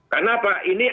karena pak ini